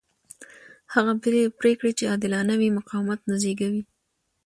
هغه پرېکړې چې عادلانه وي مقاومت نه زېږوي